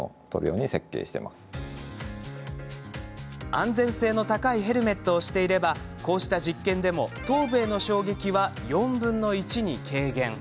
安全性の高いヘルメットをしていればこうした実験でも頭部への衝撃は４分の１に軽減。